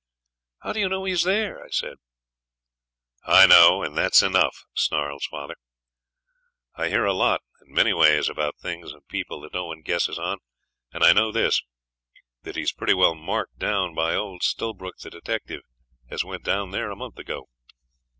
'How do you know he's there?' I said. 'I know, and that's enough,' snarls father. 'I hear a lot in many ways about things and people that no one guesses on, and I know this that he's pretty well marked down by old Stillbrook the detective as went down there a month ago.'